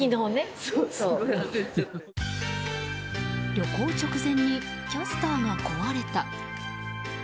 旅行直前にキャスターが壊れた。